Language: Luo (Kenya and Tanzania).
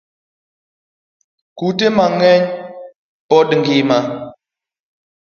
Kute mangeny pod ngima